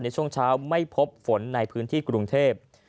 ในช่วงเช้าไม่พบฝนในพื้นที่กรุงเทพ